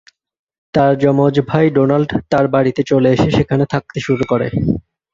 তার যমজ ভাই ডোনাল্ড তার বাড়িতে চলে এসে সেখানে থাকতে শুরু করে।